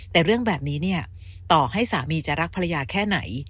แต่เรื่องแบบนี้เนี่ยต่อให้สามีจะรักภรรยาแค่ไหน